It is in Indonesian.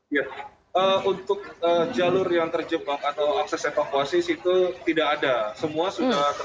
ya untuk jalur yang terjebak atau akses evakuasi itu tidak ada semua sudah terbuka oleh tni dan polri